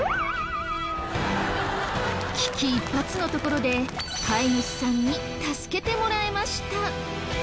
危機一髪のところで飼い主さんに助けてもらえました。